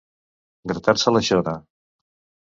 Gratar-se la xona.